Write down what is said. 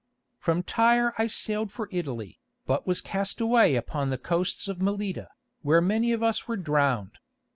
"From Tyre I sailed for Italy, but was cast away upon the coasts of Melita, where many of us were drowned.